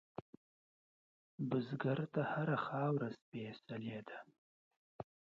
بزګر ته هره خاوره سپېڅلې ده